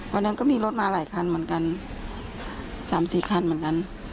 วันนั้นก็มีรถมาหลายคันเหมือนกัน๓๔คันเหมือนกัน